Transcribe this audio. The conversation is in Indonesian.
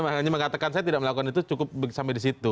hanya mengatakan saya tidak melakukan itu cukup sampai di situ